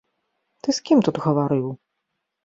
Ты з кім тут гаварыў?